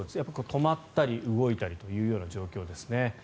止まったり動いたりというような状況ですね。